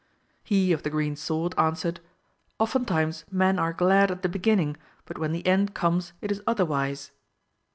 He of the green sword answered often times men are glad at the beginning, but when the end comes it is otherwise.